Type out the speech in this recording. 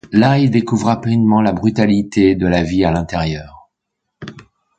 Là, ils découvrent rapidement la brutalité de la vie à l'intérieur.